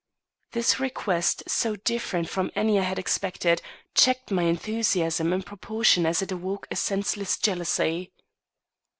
This request, so different from any I had expected, checked my enthusiasm in proportion as it awoke a senseless jealousy.